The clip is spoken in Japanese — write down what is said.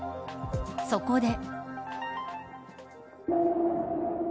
そこで。